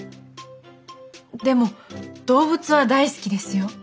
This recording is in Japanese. でも動物は大好きですよ。